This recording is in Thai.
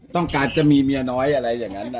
ต้องการจะมีเมียน้อยอะไรอย่างนั้นนะ